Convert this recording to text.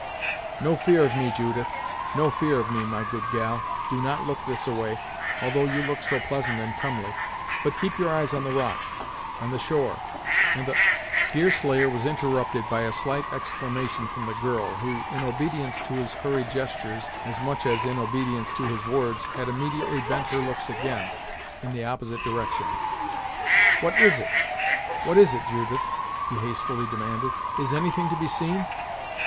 "No fear of me, Judith no fear of me, my good gal. Do not look this a way, although you look so pleasant and comely, but keep your eyes on the rock, and the shore, and the " Deerslayer was interrupted by a slight exclamation from the girl, who, in obedience to his hurried gestures, as much as in obedience to his words, had immediately bent her looks again, in the opposite direction. "What is't? What is't, Judith?" he hastily demanded "Is any thing to be seen?"